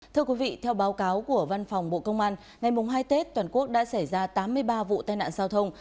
thưa quý vị theo báo cáo của văn phòng bộ công an ngày hai tết toàn quốc đã xảy ra tám mươi ba vụ tai nạn giao thông